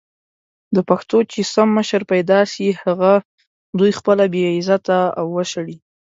د پښتنو چې سم مشر پېدا سي هغه دوي خپله بې عزته او وشړي!